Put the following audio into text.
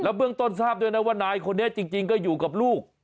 เบื้องต้นทราบด้วยนะว่านายคนนี้จริงก็อยู่กับลูก